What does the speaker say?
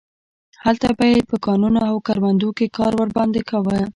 هلته به یې په کانونو او کروندو کې کار ورباندې کاوه.